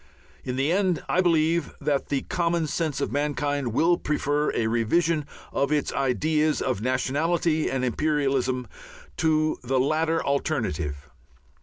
In the end I believe that the common sense of mankind will prefer a revision of its ideas of nationality and imperialism, to the latter alternative.